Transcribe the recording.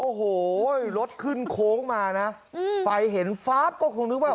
โอ้โหรถขึ้นโค้งมานะไฟเห็นฟ้าบก็คงนึกว่า